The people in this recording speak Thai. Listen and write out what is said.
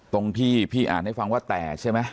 ตรงที่พี่อ่านให้ฟังว่าแตกใช่ไหม